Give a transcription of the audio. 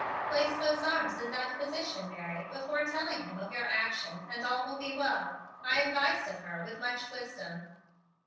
"Place those arms in that position, Mary, before telling him of your action and all will be well," I advised of her with much wisdom.